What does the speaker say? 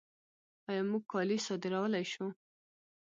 آیا موږ کالي صادرولی شو؟